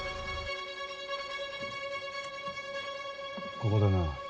ここだな。